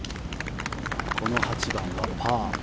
この８番はパー。